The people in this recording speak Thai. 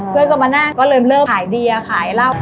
เพื่อนก็มานั่งก็เริ่มขายเบียร์ขายเหล้า